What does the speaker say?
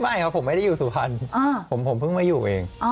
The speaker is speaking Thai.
ไม่ครับผมไม่ได้อยู่สุพรรณผมเพิ่งมาอยู่เอง